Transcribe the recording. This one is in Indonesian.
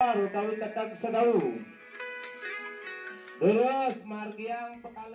baru tahu tetap sedahu